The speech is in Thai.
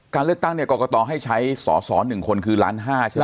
การเลือกตั้งกรกตัวให้ใช้๑คนคือ๑๕ล้าน